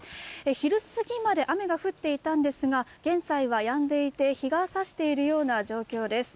昼過ぎまで雨が降っていたんですが、現在はやんでいて、日がさしているような状況です。